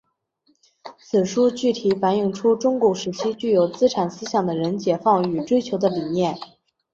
此书具体反映出中古时期具有资产思想的人解放与追求的理念。